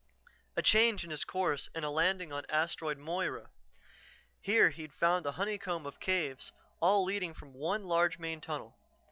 A change in his course and a landing on Asteroid Moira. Here he'd found a honeycomb of caves, all leading from one large main tunnel.